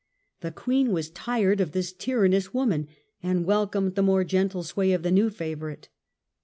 The queen was tired of this tyrannous woman, and welcomed the more gentle sway of the new favourite.